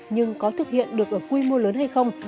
nhưng có thực hiện được ở quy mô lớn hay không